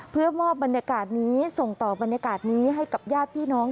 เพื่อมอบบรรยากาศนี้ส่งต่อบรรยากาศนี้ให้กับญาติพี่น้อง